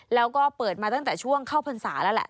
แล้วก็เปิดมาตั้งแต่ช่วงเข้าพรรษาแล้วแหละ